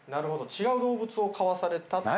違う動物を買わされた？